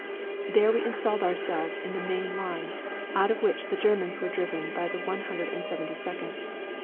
There we installed ourselves in the main line, out of which the Germans were driven by the One Hundred and Seventy Second.